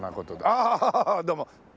ああっどうも。